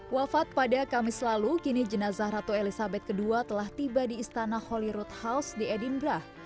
wafat pada kamis lalu kini jenazah ratu elisabeth ii telah tiba di istana holyrood house di edinburgh